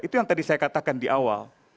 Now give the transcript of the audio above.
itu yang tadi saya katakan di awal